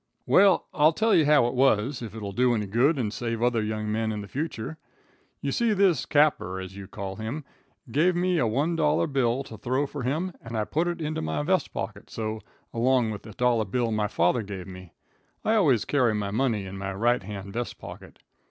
"Well, I'll tell you how it was, if it'll do any good and save other young men in the future. You see this capper, as you call him, gave me a $1 bill to throw for him, and I put it into my vest pocket so, along with the dollar bill father gave me. I always carry my money in my right hand vest pocket.